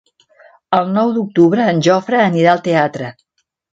El nou d'octubre en Jofre anirà al teatre.